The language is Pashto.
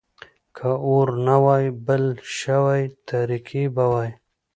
که اور نه وای بل شوی، تاريکي به وای.